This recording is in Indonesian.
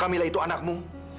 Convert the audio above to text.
kamilah itu anakmu